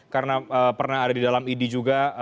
karena pernah ada di dalam idi juga